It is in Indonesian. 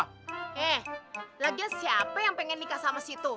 eh lagian siapa yang pengen nikah sama situ